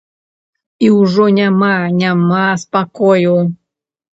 І ўжо няма, няма спакою!